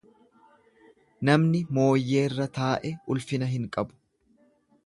Namni mooyyeerra taa'e ulfina hin qabu.